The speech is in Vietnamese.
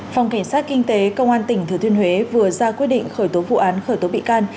phòng cảnh sát kinh tế công an tỉnh thừa thiên huế vừa ra quyết định khởi tố vụ án khởi tố bị can